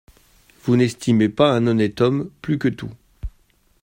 Vous n’estimez pas un honnête homme plus que tout.